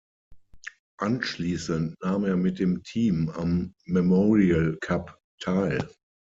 Anschließend nahm er mit dem Team am Memorial Cup teil.